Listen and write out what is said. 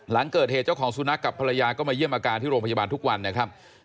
หลังเกิดเหตุเจ้าของสุนัขกับภรรยาก็มาเยี่ยมอาการที่โรงพยาบาลทุกวันนะครับ